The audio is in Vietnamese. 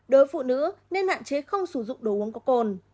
đối với phụ nữ nên hạn chế không sử dụng đồ uống có cồn